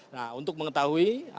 nah untuk mengetahui apa